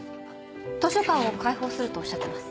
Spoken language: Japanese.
図書館を開放するとおっしゃってます。